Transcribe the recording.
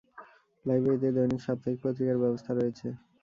লাইব্রেরিতে দৈনিক, সাপ্তাহিক পত্রিকার ব্যবস্থা রয়েছে।